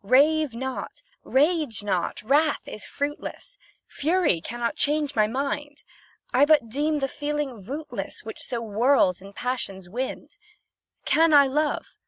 Rave not, rage not, wrath is fruitless, Fury cannot change my mind; I but deem the feeling rootless Which so whirls in passion's wind. Can I love?